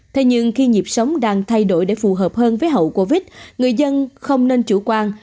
thế nhưng khi nhịp sống đang thay đổi để phù hợp hơn với hậu covid người dân không nên chủ quan